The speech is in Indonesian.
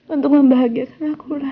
untuk membahagiakan akulah